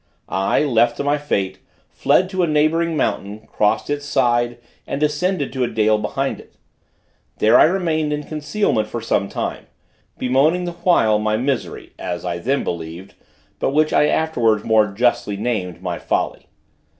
I, left to my fate, fled to a neighboring mountain, crossed its side and descended to a dale behind it. There I remained in concealment for some time, bemoaning, the while, my misery, as I then believed, but which I afterwards more justly named, my folly.